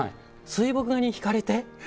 水墨画に引かれて？